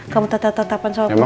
kamu tetap tetapan sama perempuan